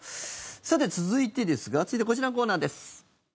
さて、続いてですが続いて、こちらのコーナーです。